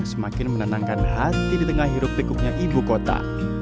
semakin menenangkan hati di tengah hirup pikuknya ibu kota